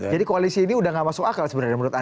jadi koalisi ini udah gak masuk akal sebenarnya menurut anda